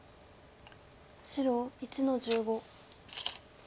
白１の十五。